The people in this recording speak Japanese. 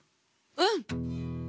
うん。